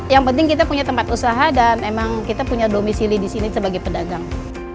yang penting kita punya tempat usaha dan emang kita punya domisili di sini sebagai pedagang